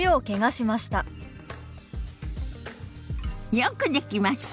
よくできました。